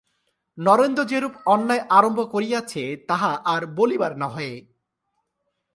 নরেন্দ্র যেরূপ অন্যায় আরম্ভ করিয়াছে তাহা আর বলিবার নহে।